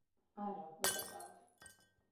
არა, უკაცრავად.